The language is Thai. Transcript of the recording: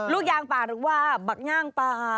ลูกยางป่าหรือว่าบักย่างปลา